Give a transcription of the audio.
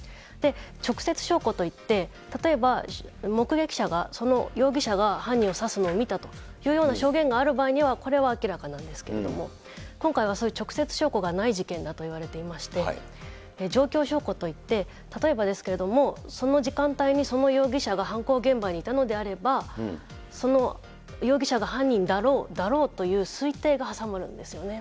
直接証拠といって、例えば目撃者がその容疑者が犯人を刺すのを見たというような証言がある場合には、これは明らかなんですけれども、今回はそういう直接証拠がない事件でして、状況証拠といって、例えばですけれども、その時間帯にその容疑者が犯行現場にいたのであれば、その容疑者が犯人だろうという推定が挟まるんですよね。